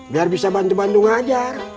biar bisa bantu bantu ngajar